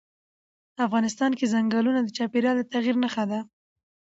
افغانستان کې ځنګلونه د چاپېریال د تغیر نښه ده.